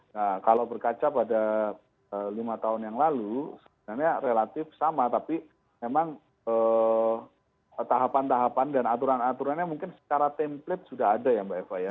nah kalau berkaca pada lima tahun yang lalu sebenarnya relatif sama tapi memang tahapan tahapan dan aturan aturannya mungkin secara template sudah ada ya mbak eva ya